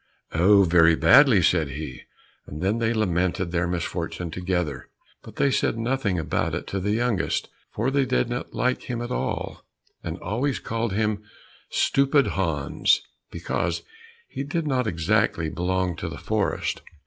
"Oh, very badly," said he, and then they lamented their misfortune together, but they said nothing about it to the youngest, for they did not like him at all, and always called him Stupid Hans, because he did not exactly belong to the forest.